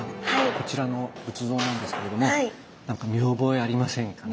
こちらの仏像なんですけれどもなんか見覚えありませんかね？